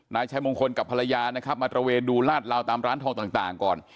นายชายมงคลกับภรรยานะครับมาตระเวนดูลาดลาวตามร้านทองต่างก่อน